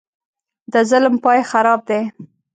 د ظلم پاى خراب دى.